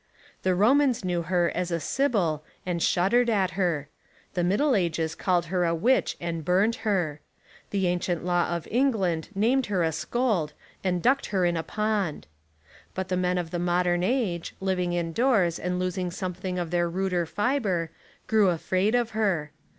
The Romans knew her as a sybil and shuddered at her. The Mid dle Ages called her a witch and burnt her. The ancient law of England named her a scold and ducked her in a pond. But the men of the modern age, living indoors and losing something of their ruder fibre, grew afraid of her.